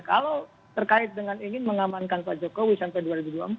kalau terkait dengan ingin mengamankan pak jokowi sampai dua ribu dua puluh empat